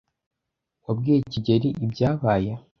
Wabwiye kigeli ibyabaye?